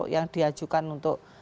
yang diajukan untuk